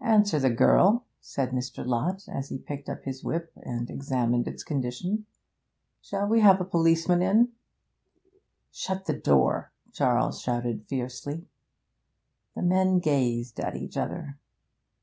'Answer the girl,' said Mr. Lott, as he picked up his whip and examined its condition. 'Shall we have a policeman in?' 'Shut the door!' Charles shouted fiercely. The men gazed at each other.